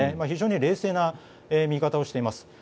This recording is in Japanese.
非常に冷静な見方をしています。